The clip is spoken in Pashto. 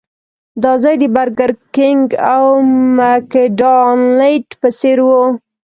دا ځای د برګر کېنګ او مکډانلډ په څېر و.